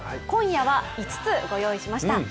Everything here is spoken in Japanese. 今夜は５つ御用意しました。